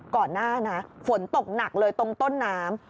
ก่อนหน้านะฝนตกหนักเลยตรงต้นน้ำ